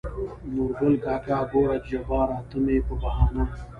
نورګل کاکا: ګوره جباره ته مې په بهانه